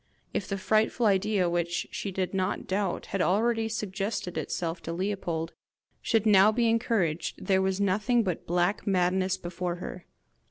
If the frightful idea which, she did not doubt, had already suggested itself to Leopold, should now be encouraged, there was nothing but black madness before her!